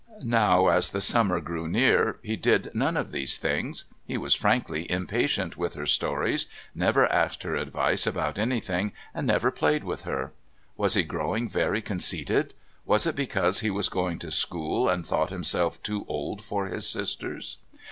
Now as the summer drew near, he did none of these things. He was frankly impatient with her stories, never asked her advice about anything, and never played with her. Was he growing very conceited? Was it because he was going to school, and thought himself too old for his sisters?